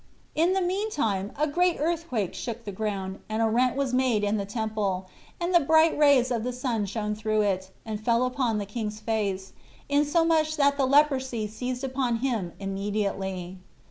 In the mean time a great earthquake shook the ground and a rent was made in the temple, and the bright rays of the sun shone through it, and fell upon the king's face, insomuch that the leprosy seized upon him immediately.